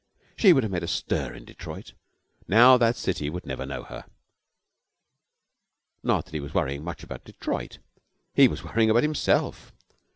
She would have made a stir in Detroit. Now that city would never know her. Not that he was worrying much about Detroit. He was worrying about himself.